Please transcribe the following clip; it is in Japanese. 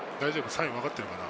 サイン分かってるかな？